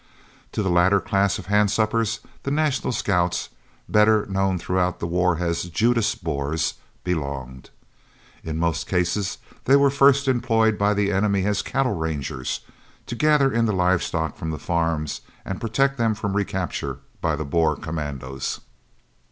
To the latter class of handsuppers the National Scouts, better known throughout the war as "Judas Boers," belonged. In most cases they were first employed by the enemy as "Cattle Rangers," to gather in the livestock from the farms and protect them from recapture by the Boer commandos.